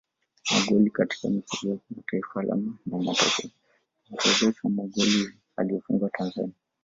Magoli katika michezo ya kimataifa Alama na matokeo yanaorodhesha magoli aliyoifungia Tanzania